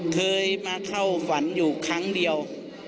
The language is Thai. เคยมาเข้าฝันอยู่ครั้งเดียว